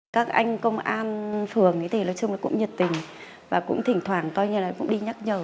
các anh công an phường thì nói chung là cũng nhiệt tình và cũng thỉnh thoảng coi như là cũng đi nhắc nhở